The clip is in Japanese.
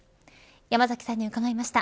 山崎さんに伺いました。